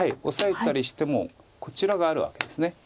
オサえたりしてもこちらがあるわけです。